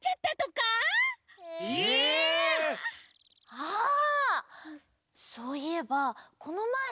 あそういえばこのまえ。